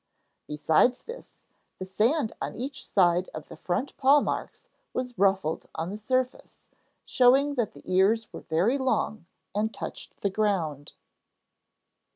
Besides this, the sand on each side of the front paw marks was ruffled on the surface, showing that the ears were very long and touched the ground.